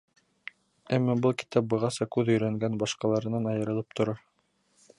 Әммә был китап бығаса күҙ өйрәнгән башҡаларынан айырылып тора.